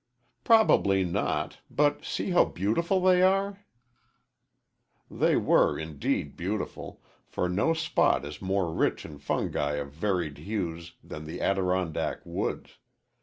"Probably not; but see how beautiful they are." They were indeed beautiful, for no spot is more rich in fungi of varied hues than the Adirondack woods.